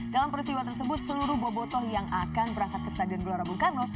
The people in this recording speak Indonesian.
dalam peristiwa tersebut seluruh bobotoh yang akan berangkat ke stadion gelora bung karno